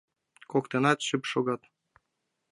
Коктынат шып шогат.